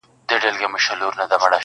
• چي یاران ورباندي تللي له ضروره -